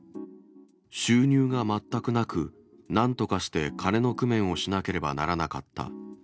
収入が全くなく、なんとかして金の工面をしなければならなかった。